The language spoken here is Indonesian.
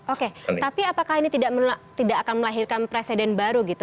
oke tapi apakah ini tidak akan melahirkan presiden baru gitu